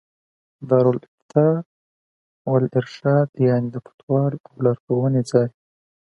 دار الافتاء والارشاد، يعني: د فتوا او لارښووني ځای